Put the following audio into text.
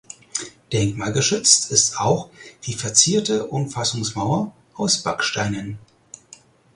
Denkmalgeschützt ist auch die verzierte Umfassungsmauer aus Backsteinen.